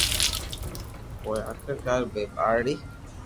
پوءِ آخرڪار، ٻي ٻارڙي؛